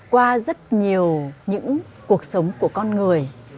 qua rất nhiều những cuộc sống của con người